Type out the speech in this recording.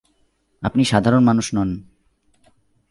আপনি সাধারণ মানুষ নন।